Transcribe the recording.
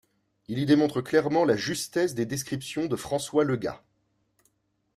Il y démontre clairement la justesse des descriptions de François Leguat.